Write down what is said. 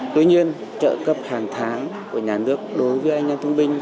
tuy nhiên trợ cấp hàng tháng của nhà nước đối với anh em thương binh